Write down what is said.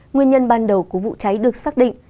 nguyên nhân ban đầu của vụ cháy được xác định